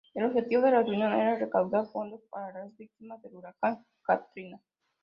El objetivo de la reunión era recaudar fondos para las víctimas del huracán Katrina.